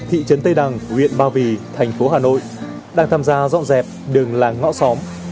thị trấn tây đằng huyện ba vì thành phố hà nội đang tham gia dọn dẹp đường làng ngõ xóm